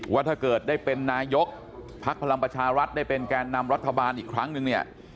ว่าถ้าเกิดได้เป็นนายกภักดิ์พลังประชารัฐได้เป็นแก่นำรัฐบาลอีกครั้งนึงเนี่ย